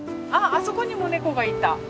あそこにも猫がいた！